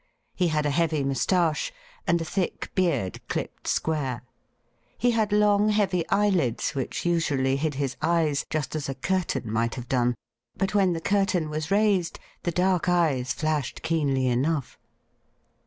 He had a heavy moustache, and a thick beard clipped square. He had long, heavy eyelids which usually hid his eyes, just as a curtain might have done. But when the curtain was raised the dark eyes flashed keenly enough.